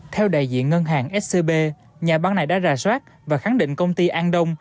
theo đại diện ngân hàng scb nhà bán này đã rà soát và khẳng định công ty an đông